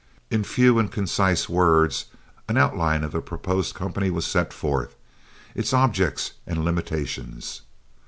In few and concise words, an outline of the proposed company was set forth, its objects and limitations.